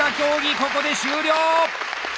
ここで終了！